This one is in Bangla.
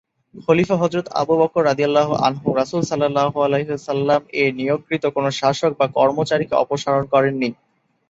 খলীফা হযরত আবু বকর রা: রাসূল সা: এর নিয়োগকৃত কোন শাসক বা কর্মচারীকে অপসারণ করেননি।